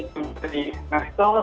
kemudian di match call